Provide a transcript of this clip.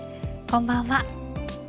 こんばんは。